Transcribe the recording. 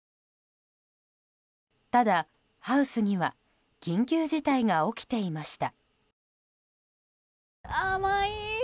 ただ、ハウスには緊急事態が起きていました。